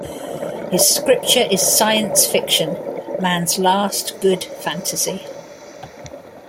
His scripture is Science Fiction, Man's last, good fantasy.